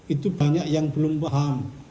itu banyak yang belum paham